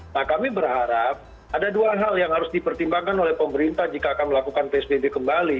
nah kami berharap ada dua hal yang harus dipertimbangkan oleh pemerintah jika akan melakukan psbb kembali